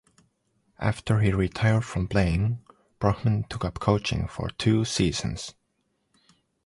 After he retired from playing, Brohman took up coaching for two seasons.